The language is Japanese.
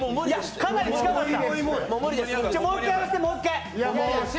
かなり近かったよ。